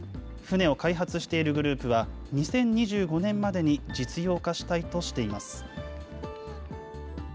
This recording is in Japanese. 船を開発しているグループは、２０２５年までに実用化したいとしています。